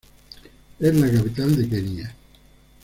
Es la capital de Kenia.